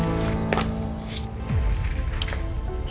ya udah kita mulai